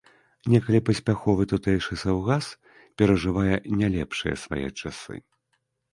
Некалі паспяховы тутэйшы саўгас перажывае не лепшыя свае часы.